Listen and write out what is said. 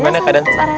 gimana kadang cara